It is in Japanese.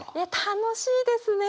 楽しいですね！